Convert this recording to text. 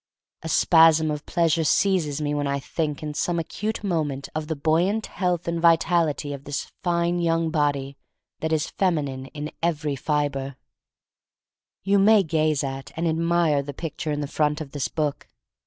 A spasm of pleasure seizes me when I think in some acute moment of the buoyant health and vitality of this fine young body that is feminine in every fiber. You may gaze at and admire the pic ture in the front of this book.